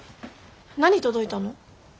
何届いたの？